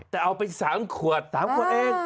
แต่เอาไป๓ขวด๓ขวดเอง